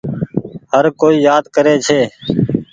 هر ڪوئي يآد ڪري ڇي۔